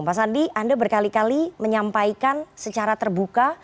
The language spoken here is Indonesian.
pak sandi anda berkali kali menyampaikan secara terbuka